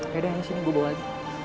yaudah ini sini gue bawa aja